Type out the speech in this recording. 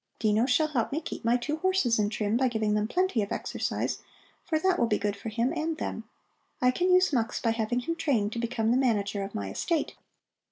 Dino shall help me keep my two horses in trim by giving them plenty of exercise, for that will be good for him and them. I can use Mux by having him trained to become the manager of my estate.